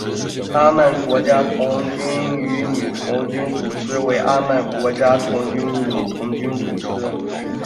阿曼国家童军与女童军组织为阿曼的国家童军与女童军组织。